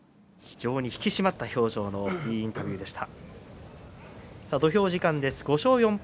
非常に引き締まった表情のいいインタビューでした。